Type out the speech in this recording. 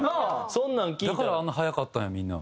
だからあんな速かったんやみんな。